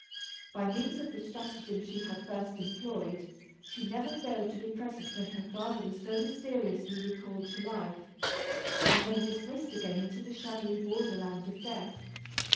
By means of the stratagem she had first employed, she never failed to be present when her father was so mysteriously recalled to life, and then dismissed again into the shadowy border land of death.